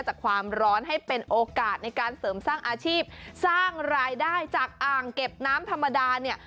จากความร้อนให้เป็นโอกาสในการเสริมสร้างอาชีพสร้างรายได้จากอ่างเก็บน้ำธรรมดาเนี่ย